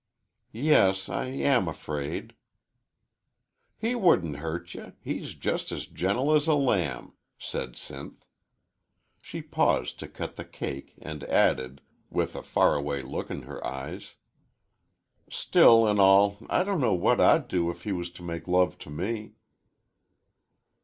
"Yes; I am afraid." "He wouldn't hurt ye he's jest as gentle as a lamb," said Sinth. She paused to cut the cake, and added, with a far away look in her eyes, "Still an' all, I dunno what I'd do if he was to make love to me."